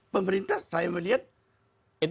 pemerintah saya melihat